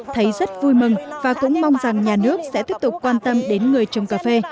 thấy rất vui mừng và cũng mong rằng nhà nước sẽ tiếp tục quan tâm đến người trồng cà phê